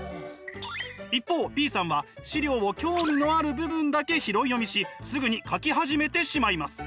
一方Ｂさんは資料を興味のある部分だけ拾い読みしすぐに描き始めてしまいます。